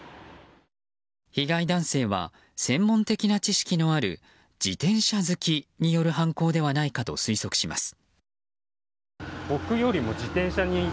被害男性は専門的な知識のある自転車好きによる犯行ではないかと推測します。